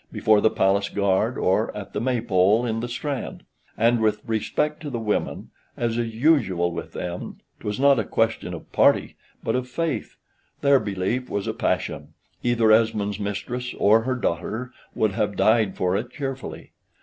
before the palace guard, or at the Maypole in the Strand; and with respect to the women, as is usual with them, 'twas not a question of party but of faith; their belief was a passion; either Esmond's mistress or her daughter would have died for it cheerfully.